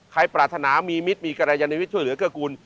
ใครปรารถนามีมิตรมีกรยานมิตรช่วยเหลือกระกูล